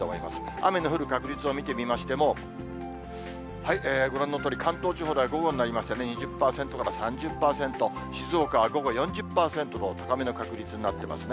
雨の降る確率を見てみましても、ご覧のとおり、関東地方では午後になりましてね、２０％から３０％、静岡は午後４０％と高めの確率になってますね。